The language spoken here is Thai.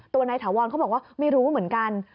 นายถาวรเขาบอกว่าไม่รู้เหมือนกัน